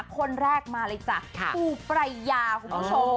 คนแรกมาเลยจ้ะปูปรายยาคุณผู้ชม